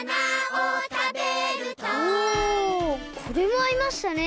おこれもあいましたね。